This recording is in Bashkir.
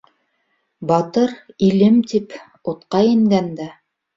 Батыр «илем» тип, утҡа ингәндә